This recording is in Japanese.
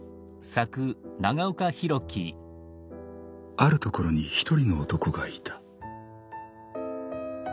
「あるところに一人の男がいた。